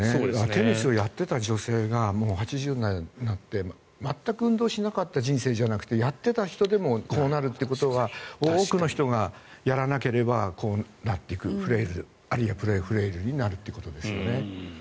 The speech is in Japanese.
テニスをやっていた女性が８０代になって全く運動しなかった人生じゃなくてやっていた人でもこうなるということは多くの人がやらなければこうなっていくフレイルあるいはプレフレイルになるということですよね。